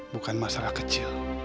bukan masalah kecil